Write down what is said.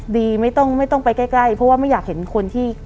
ดีไม่ต้องไม่ต้องไปใกล้เพราะว่าไม่อยากเห็นคนที่